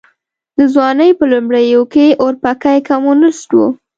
د ځوانۍ په لومړيو کې اورپکی کمونيسټ و.